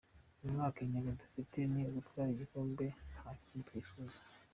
Uyu mwaka intego dufite ni ugutwara igikombe nta kindi twifuza.